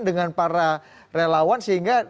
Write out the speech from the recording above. dengan para relawan sehingga